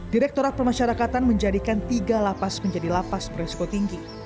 direktorat pemasyarakatan menjadikan tiga lapas menjadi lapas beresko tinggi